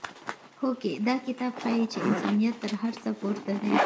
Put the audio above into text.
هوکې دا کتاب ښيي چې انسانیت تر هر څه پورته دی.